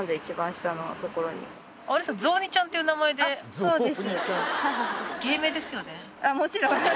そうです。